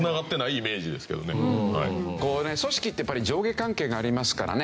組織ってやっぱり上下関係がありますからね